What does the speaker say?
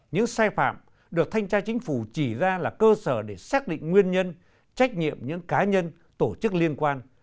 những sai phạm được thanh tra chính phủ chỉ ra là cơ sở để xác định nguyên nhân trách nhiệm những cá nhân tổ chức liên quan